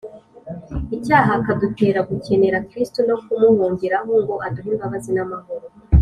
icyaha akadutera gukenera Kristo no kumuhungiraho ngo aduhe imbabazi n’amahoro